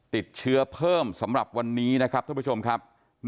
ติดเชื้อเพิ่มสำหรับวันนี้นะครับท่านผู้ชมครับ